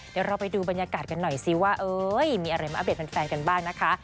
เดี๋ยวเราไปดูบรรยากาศกันหน่อยสิว่ามีอะไรมาอัปเดตแฟนกันบ้างนะคะ